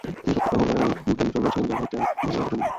কিন্তু সত্যিটা হলো এমন দু-তিনজন আছেন, যাঁরা চান ধোনি অবসর নিয়ে ফেলুক।